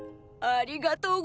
ありがとう！